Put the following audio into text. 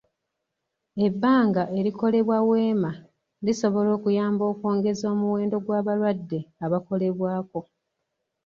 Ebbanga erikolebwa weema lisobola okuyamba okwongeza omuwendo gw'abalwadde abakolebwako.